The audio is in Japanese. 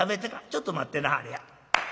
ちょっと待ってなはれや」。